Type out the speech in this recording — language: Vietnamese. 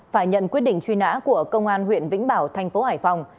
phải nhận quyết định truy nã của công an huyện vĩnh bảo thành phố hải phòng